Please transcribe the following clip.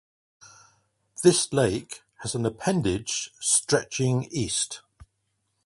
This lake has an appendage stretching east.